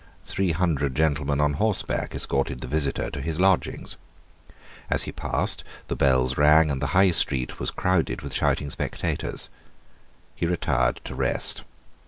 Three hundred gentlemen on horseback escorted the Visitor to his lodgings. As he passed, the bells rang, and the High Street was crowded with shouting spectators. He retired to rest.